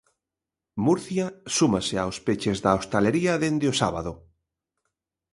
Murcia súmase aos peches da hostalería dende o sábado.